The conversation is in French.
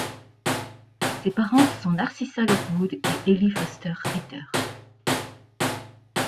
Ses parents sont Narcissa Lockwood et Eli Foster Ritter.